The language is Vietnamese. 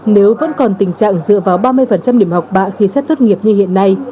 nếu vẫn còn tình trạng dựa vào ba mươi điểm học bạc khi xếp tốt nghiệp như hiện nay